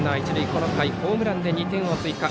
この回ホームランで２点を追加。